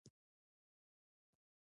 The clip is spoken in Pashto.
ډاکټر ناروغان ګوري.